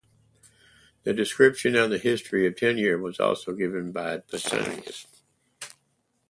A description on the history of Tenea was also given by Pausanias.